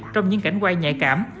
trong những cảnh quay nhạy cảm